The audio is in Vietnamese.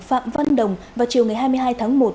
phạm văn đồng vào chiều ngày hai mươi hai tháng một